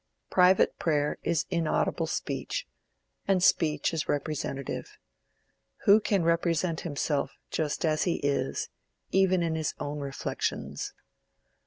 Private prayer is inaudible speech, and speech is representative: who can represent himself just as he is, even in his own reflections?